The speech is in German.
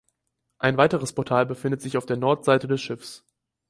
Ein weiteres Portal befindet sich auf der Nordseite des Schiffs.